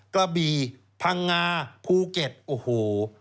กระบี่พังงาภูเก็ตโอ้โห